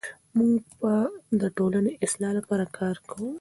موږ به د ټولنې د اصلاح لپاره کار کوو.